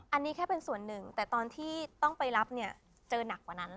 อันนี้แค่เป็นส่วนหนึ่งแต่ตอนที่ต้องไปรับเนี่ยเจอหนักกว่านั้น